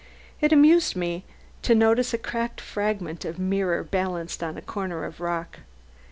It amused me to notice a cracked fragment of mirror balanced on a corner of rock.